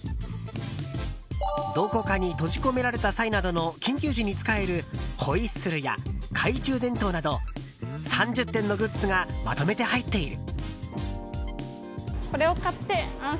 どこかに閉じ込められた際などの緊急時に使えるホイッスルや懐中電灯など３０点のグッズがまとめて入っている。